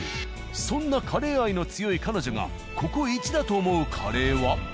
そんなカレー愛の強い彼女がここイチだと思うカレーは？